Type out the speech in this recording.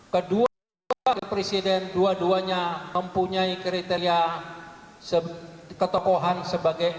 kedua presiden dua duanya mempunyai kriteria ketokohan sebagai ulama